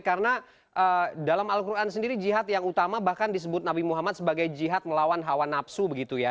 karena dalam al quran sendiri jihad yang utama bahkan disebut nabi muhammad sebagai jihad melawan hawa nafsu begitu ya